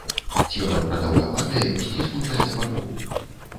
Цела прадаўгаватае, сціснутае з бакоў.